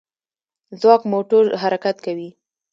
ځواک موټور حرکت کوي.